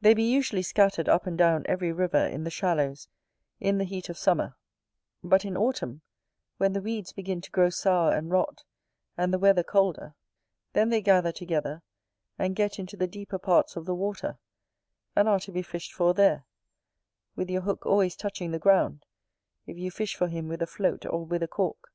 They be usually scattered up and down every river in the shallows, in the heat of summer: but in autumn, when the weeds begin to grow sour and rot, and the weather colder, then they gather together, and get into the deeper parts of the water; and are to be fished for there, with your hook always touching the ground, if you fish for him with a float or with a cork.